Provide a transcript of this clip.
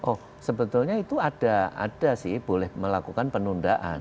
oh sebetulnya itu ada sih boleh melakukan penundaan